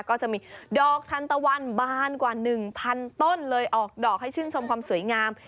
ก็จะมีดอกทันตะวันบานกว่า๑๐๐ต้นเลยออกดอกให้ชื่นชมความสวยงาม